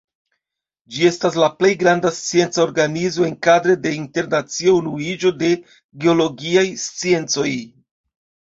Ĝi estas la plej granda scienca organizo enkadre de Internacia Unuiĝo de Geologiaj Sciencoj.